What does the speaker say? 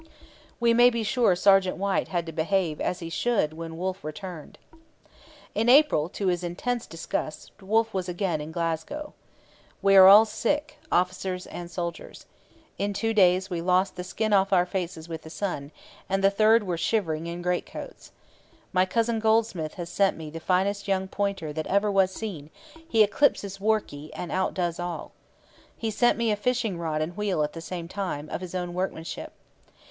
We may be sure 'Sergt. White' had to behave 'as Hee should' when Wolfe returned! In April, to his intense disgust, Wolfe was again in Glasgow. We are all sick, officers and soldiers. In two days we lost the skin off our faces with the sun, and the third were shivering in great coats. My cousin Goldsmith has sent me the finest young pointer that ever was seen; he eclipses Workie, and outdoes all. He sent me a fishing rod and wheel at the same time, of his own workmanship.